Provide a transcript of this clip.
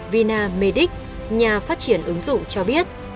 vina medic nhà phát triển ứng dụng cho biết